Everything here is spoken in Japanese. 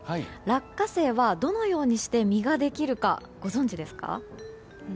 落花生はどのようにして実ができるかご存じですか？